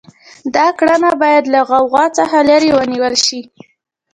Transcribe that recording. دا کړنه باید له غوغا څخه لرې ونیول شي.